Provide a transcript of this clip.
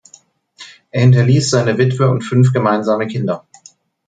Er hinterließ seine Witwe und fünf gemeinsame Kinder.